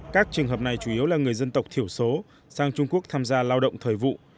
các trường hợp này chủ yếu là người dân tộc thiểu số sang trung quốc tham gia lao động thời vụ